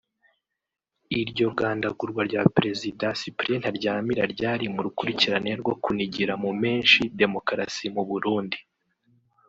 Iryo gandagurwa rya Perezida Cyprien Ntaryamira ryari mu rukurikirane rwo kunigira mu menshi demokarasi mu Burundi